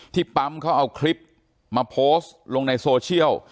ปั๊มเขาเอาคลิปมาโพสต์ลงในโซเชียล